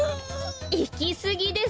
いきすぎです。